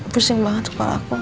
pusing banget kepala aku